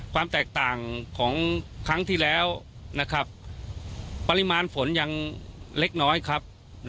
ความแตกต่างของครั้งที่แล้วนะครับปริมาณฝนยังเล็กน้อยครับ